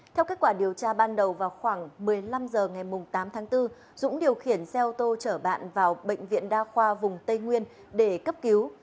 theo kết quả điều tra ban đầu vào khoảng một mươi năm h ngày tám tháng bốn dũng điều khiển xe ô tô chở bạn vào bệnh viện đa khoa vùng tây nguyên để cấp cứu